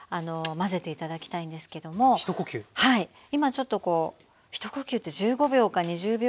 今ちょっとこう一呼吸って１５秒か２０秒ぐらいかな。